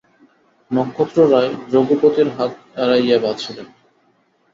নক্ষত্ররায় রঘুপতির হাত এড়াইয়া বাঁচিলেন।